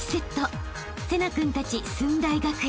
［聖成君たち駿台学園は］